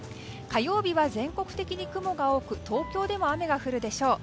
火曜日は全国的に雲が多く東京でも雨が降るでしょう。